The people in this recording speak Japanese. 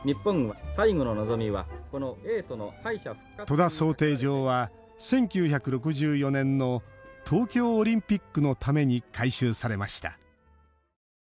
戸田漕艇場は、１９６４年の東京オリンピックのために改修されました。